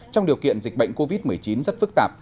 trong điều kiện dịch bệnh covid một mươi chín rất phức tạp